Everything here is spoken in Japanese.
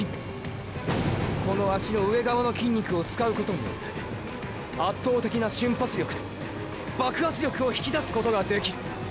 この脚の上側の筋肉を使うことによって圧倒的な瞬発力と爆発力を引き出すことができる。